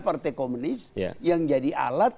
partai komunis yang jadi alat